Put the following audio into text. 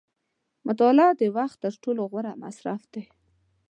• مطالعه د وخت تر ټولو غوره مصرف دی.